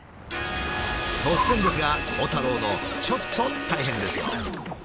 突然ですが鋼太郎のちょっと大変ですよ。